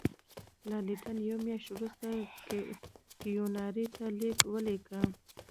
لارډ لیټن یوه میاشت وروسته کیوناري ته لیک ولیکه.